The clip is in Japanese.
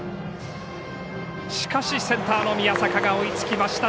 しかしセンターの宮坂が追いつきました。